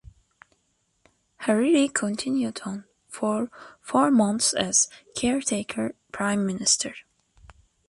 Hariri continued on for four months as caretaker Prime Minister.